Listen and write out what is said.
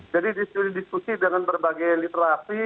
jadi diskusi dengan berbagai literasi